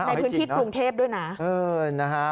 ในพื้นที่กรุงเทพด้วยนะ